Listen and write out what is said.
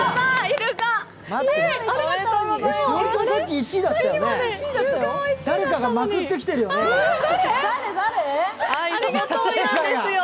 誰かがまくってきてるよ。